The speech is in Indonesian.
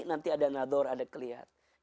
nanti ada nador ada kelihatan